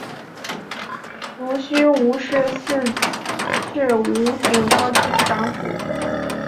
濡须吴氏四世吴景昭之长子。